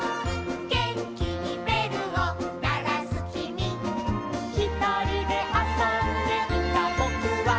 「げんきにべるをならすきみ」「ひとりであそんでいたぼくは」